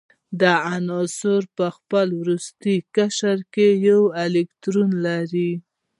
دا عنصرونه په خپل وروستي قشر کې یو الکترون لري.